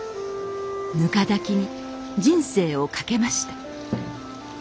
ぬか炊きに人生をかけました